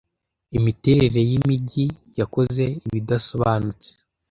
Imiterere yimijyi, yakoze ibidasobanutse